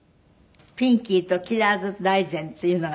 『ピンキーとキラーズ大全』っていうのが。